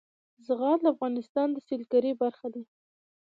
زغال د افغانستان د سیلګرۍ برخه ده.